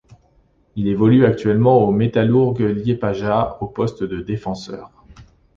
Il évolue actuellement au Metalurgs Liepaja au poste de défenseur.